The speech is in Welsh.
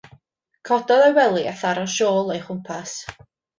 Cododd o'i gwely a tharo siôl o'i chmwpas.